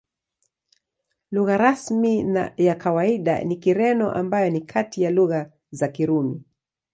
Lugha rasmi na ya kawaida ni Kireno, ambayo ni kati ya lugha za Kirumi.